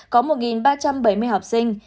có một ba trăm bảy mươi học sinh